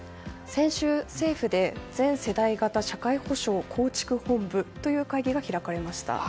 先週、政府で全世代型社会保障構築本部という会議が開かれました。